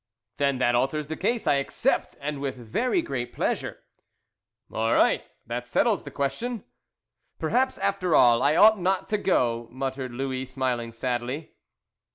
"Then that alters the case. I accept, and with very great pleasure." "All right. That settles the question." "Perhaps, after all, I ought not to go," muttered Louis, smiling sadly.